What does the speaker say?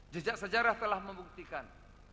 jejak sejarah telah membuktikan